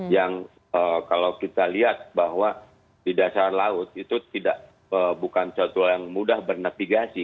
yang kalau kita lihat bahwa di dasar laut itu bukan suatu hal yang mudah bernavigasi